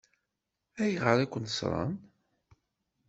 Ayɣer i ken-ṣṣṛen?